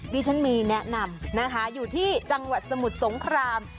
ดิฉันมีแนะนำนะคะอยู่ที่จังหวัดสมุทรสงคราม